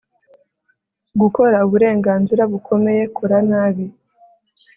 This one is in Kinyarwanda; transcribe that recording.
gukora uburenganzira bukomeye kora nabi